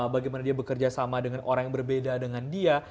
bagaimana dia bekerja sama dengan orang yang berbeda dengan dia